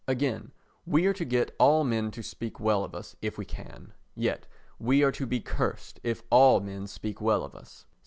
Again, we are to get all men to speak well of us if we can; yet we are to be cursed if all men speak well of us.